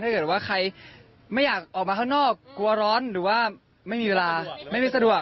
ถ้าเกิดว่าใครไม่อยากออกมาข้างนอกกลัวร้อนหรือว่าไม่มีเวลาไม่มีสะดวก